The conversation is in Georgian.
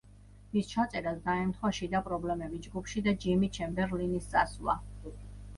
მის ჩაწერას დაემთხვა შიდა პრობლემები ჯგუფში და ჯიმი ჩემბერლინის წასვლა.